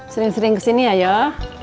sering sering kesini ya